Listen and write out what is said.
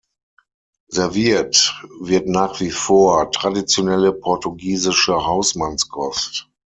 Serviert wird nach wie vor traditionelle portugiesische Hausmannskost.